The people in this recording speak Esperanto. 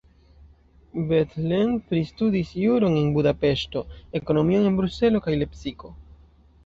Bethlen pristudis juron en Budapeŝto, ekonomion en Bruselo kaj Lepsiko.